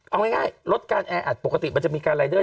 เอาง่ายลดการแออัดปกติมันจะมีการรายเดอร์